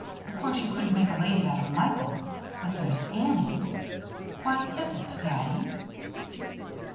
Of course you couldn't make a lady out of Michael; but there's Annie. Why is it, Daddy?"